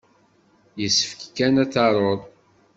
Yessefk kan ad tarud.